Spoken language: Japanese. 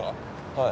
はい。